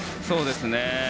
そうですね。